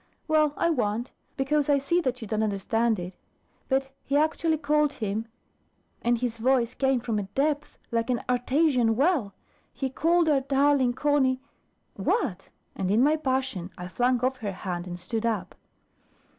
"Well, I won't; because I see that you don't understand it. But he actually called him and his voice came from a depth, like an Artesian well he called our darling Conny " "What?" And in my passion, I flung off her hand, and stood up.